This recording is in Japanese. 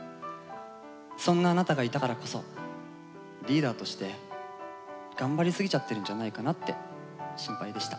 そんなあなたがいたからこそリーダーとして頑張りすぎちゃってるんじゃないかなって心配でした。